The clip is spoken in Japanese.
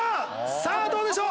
さぁどうでしょう？